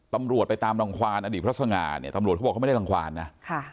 ตำรวจไปตามรังความอดีตพระสง่าเนี่ยตำรวจเขาบอกเขาไม่ได้รังความนะ